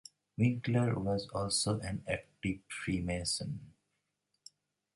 Winkler was also an active freemason.